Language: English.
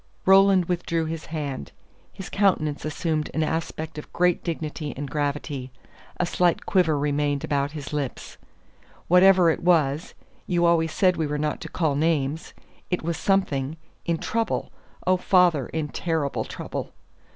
Roland withdrew his hand; his countenance assumed an aspect of great dignity and gravity; a slight quiver remained about his lips. "Whatever it was you always said we were not to call names. It was something in trouble. Oh, father, in terrible trouble!"